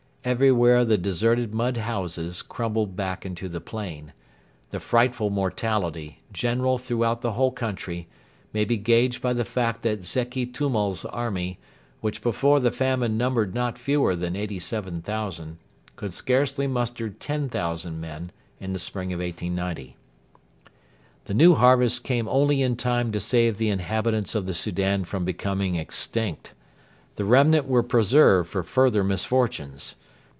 Everywhere the deserted mud houses crumbled back into the plain. The frightful mortality, general throughout the whole country, may be gauged by the fact that Zeki Tummal's army, which before the famine numbered not fewer than 87,000, could scarcely muster 10,000 men in the spring of 1890. The new harvest came only in time to save the inhabitants of the Soudan from becoming extinct. The remnant were preserved for further misfortunes.